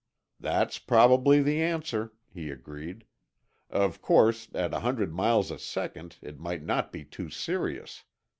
"That's probably the answer," he agreed. "Of course, at a hundred miles a second it might not be too serious.